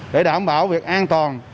để đảm bảo việc an toàn